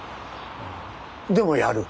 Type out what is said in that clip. でもやる？